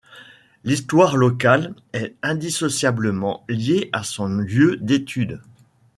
L’histoire locale est indissociablement liée à son lieu d’étude.